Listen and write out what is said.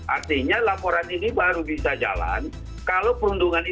artinya laporan ini baru bisa jalan kalau perundungan ini